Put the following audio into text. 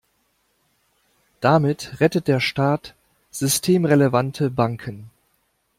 Damit rettet der Staat systemrelevante Banken.